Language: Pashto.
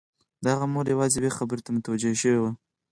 د هغه مور یوازې یوې خبرې ته متوجه شوې وه